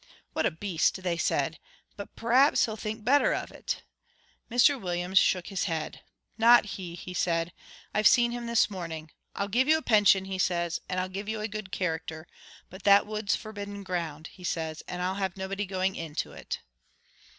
"What a beast!" they said. "But p'raps he'll think better of it." Mr Williams shook his head. "Not he," he said. "I've seen him this morning. 'I'll give you a pension,' he says, 'and I'll give you a good character. But that wood's forbidden ground,' he says, 'and I'll have nobody going into it.'"